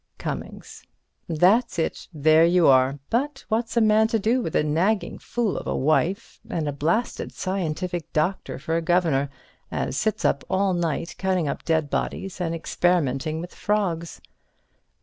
Cummings: That's it; there you are! But what's a man to do with a nagging fool of a wife and a blasted scientific doctor for a governor, as sits up all night cutting up dead bodies and experimenting with frogs?